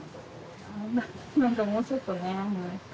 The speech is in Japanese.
何かもうちょっとね。